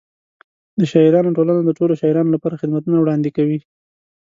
د شاعرانو ټولنه د ټولو شاعرانو لپاره خدمتونه وړاندې کوي.